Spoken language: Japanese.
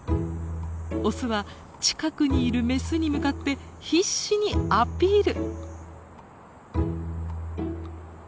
オスは近くにいるメスに向かって必死にアピール。